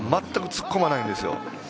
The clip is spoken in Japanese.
全く突っ込まないんですよ。